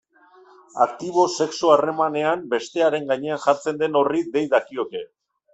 Aktiboa sexu harremanean bestearen gainean jartzen den horri dei dakioke.